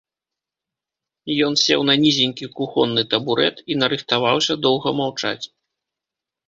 Ён сеў на нізенькі кухонны табурэт і нарыхтаваўся доўга маўчаць.